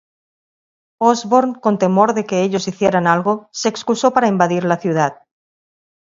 Osborn con temor de que ellos hicieran algo, se excusó para invadir la ciudad.